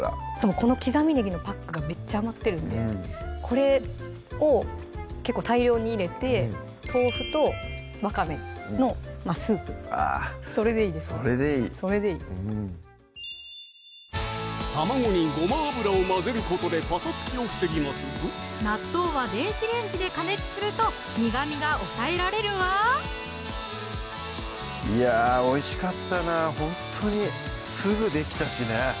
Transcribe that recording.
この刻みねぎのパックがめっちゃ余ってるんでこれを結構大量に入れて豆腐とわかめのスープそれでいいですそれでいい卵にごま油を混ぜることでパサつきを防ぎますぞ納豆は電子レンジで加熱すると苦みが抑えられるわいやぁおいしかったなほんとにすぐできたしね